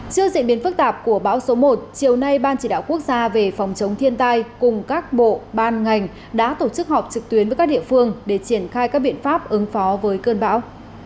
trước diễn biến phức tạp của bão số một chiều nay ban chỉ đạo quốc gia về phòng chống thiên tai cùng các bộ ban ngành đã tổ chức họp trực tuyến với các địa phương để triển khai các biện pháp ứng phó với cơn bão